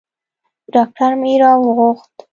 ډاکتر مې راوغوښت.